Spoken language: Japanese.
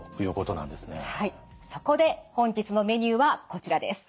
そこで本日のメニューはこちらです。